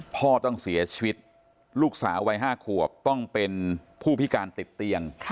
พ่อต้องเสียชีวิตลูกสาววัย๕ขวบต้องเป็นผู้พิการติดเตียง